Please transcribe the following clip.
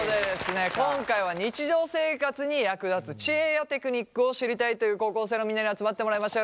今回は日常生活に役立つ知恵やテクニックを知りたいという高校生のみんなに集まってもらいました。